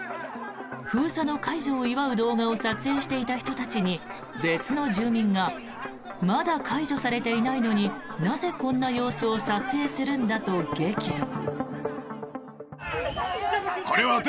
封鎖の解除を祝う動画を撮影していた人たちに別の住民がまだ解除されていないのになぜ、こんな様子を撮影するんだと激怒。